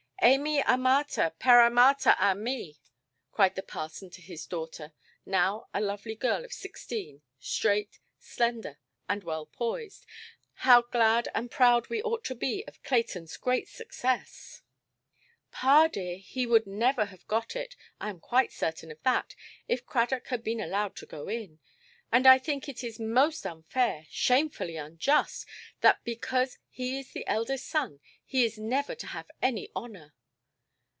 "Amy amata, peramata a me", cried the parson to his daughter, now a lovely girl of sixteen, straight, slender, and well–poised; "how glad and proud we ought to be of Claytonʼs great success"! "Pa, dear, he would never have got it, I am quite certain of that, if Cradock had been allowed to go in; and I think it is most unfair, shamefully unjust, that because he is the eldest son he is never to have any honour".